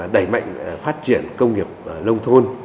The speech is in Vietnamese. đẩy mạnh phát triển công nghiệp nông thôn